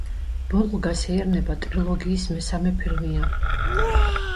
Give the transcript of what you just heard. ბოლო გასეირნება ტრილოგიის მესამე ფილმია.